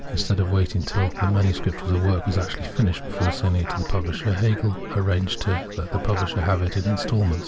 Instead of waiting till the MS. of the work was actually finished before sending it to the publisher, Hegel arranged to let the publisher have it in instal ments.